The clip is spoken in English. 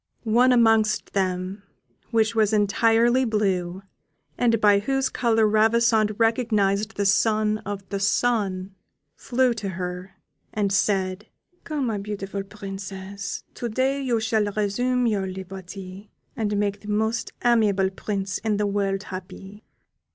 One amongst them, which was entirely blue, and by whose colour Ravissante recognised the son of the Sun, flew to her, and said, "Come, beautiful Princess, to day you shall resume your liberty, and make the most amiable Prince in the world happy."